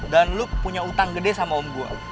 dan lo punya utang gede sama om gue